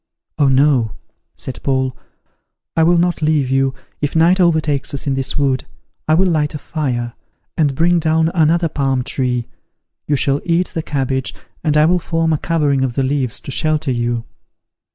"Oh no," said Paul, "I will not leave you if night overtakes us in this wood, I will light a fire, and bring down another palm tree: you shall eat the cabbage, and I will form a covering of the leaves to shelter you."